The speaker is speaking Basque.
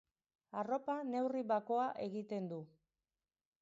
Arropa neurri bakoa egiten du.